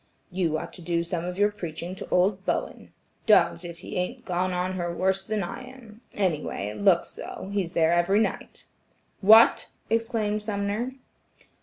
"You ought to do some of your preaching to old Bowen. Dogged if he ain't gone on her worse than I am; any way, it looks so; he's there every night." "What!" exclaimed Sumner.